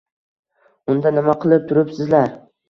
Unda nima qilib turibsizlar?!